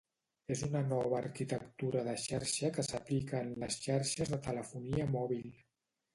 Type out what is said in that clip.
És una nova arquitectura de xarxa que s'aplica en les xarxes de telefonia mòbil.